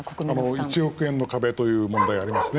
１億円の壁という問題がありますね。